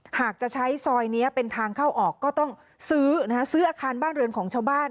หากจะใช้ซอยนี้เป็นทางเข้าออกก็ต้องซื้อนะฮะซื้ออาคารบ้านเรือนของชาวบ้าน